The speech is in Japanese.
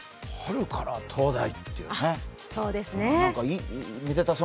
春から東大っていうね。